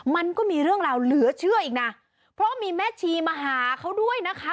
มันก็มีเรื่องราวเหลือเชื่ออีกนะเพราะมีแม่ชีมาหาเขาด้วยนะคะ